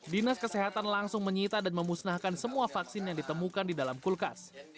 dinas kesehatan langsung menyita dan memusnahkan semua vaksin yang ditemukan di dalam kulkas